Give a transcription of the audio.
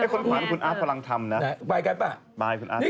ไอ้คนฝากของคุณอาทพลังทำนะบ๊ายกันป่ะบ๊ายคุณอาทใช่